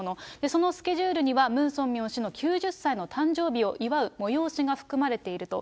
そのスケジュールには、ムン・ソンミョン氏の９０歳の誕生日を祝う催しが含まれていると。